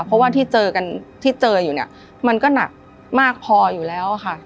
เพราะว่าที่เจอกันที่เจออยู่เนี่ยมันก็หนักมากพออยู่แล้วค่ะ